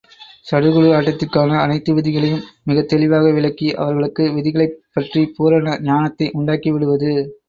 சடுகுடு ஆட்டத்திற்கான அனைத்து விதிகளையும் மிகத் தெளிவாக விளக்கி, அவர்களுக்கு விதிகளைப் பற்றிப் பூரண ஞானத்தை உண்டாக்கி விடுவது.